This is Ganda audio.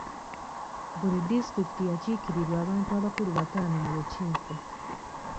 Buli disitulikiti yakiikirirwa abantu abakulu bataano mu lukiiko.